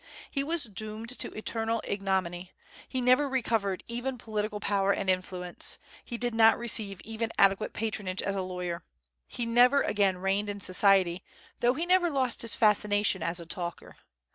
He was doomed to eternal ignominy; he never recovered even political power and influence; he did not receive even adequate patronage as a lawyer. He never again reigned in society, though he never lost his fascination as a talker.